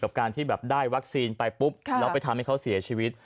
การที่แบบได้วัคซีนไปปุ๊บแล้วไปทำให้เขาเสียชีวิต